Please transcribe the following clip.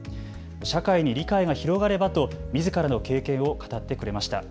社会に理解が広がればと、みずからの経験を語ってくれました。